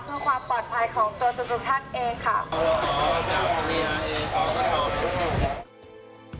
เพื่อความปลอดภัยของตัวทุกท่านเองค่ะ